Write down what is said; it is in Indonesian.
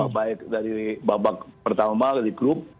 baik dari babak pertama di klub